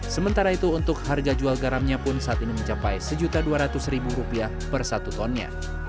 sementara itu untuk harga jual garamnya pun saat ini mencapai rp satu dua ratus per satu tonnya